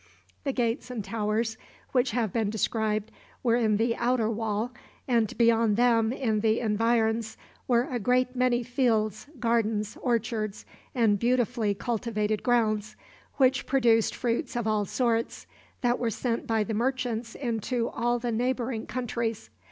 The gates and towers which have been described were in the outer wall, and beyond them, in the environs, were a great many fields, gardens, orchards, and beautifully cultivated grounds, which produced fruits of all sorts, that were sent by the merchants into all the neighboring countries.